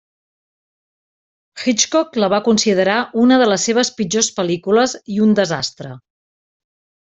Hitchcock la va considerar una de les seves pitjors pel·lícules i un desastre.